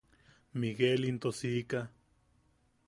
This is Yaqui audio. Miguel into siika.